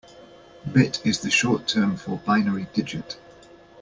Bit is the short term for binary digit.